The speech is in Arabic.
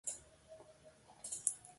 بداية الأمر في عشقي ونشأته